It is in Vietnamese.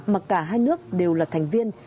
mặc cả hai nước đều là thành viên